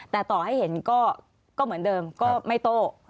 แต่ต่อให้เห็นก็เหมือนเดิมก็ไม่โต้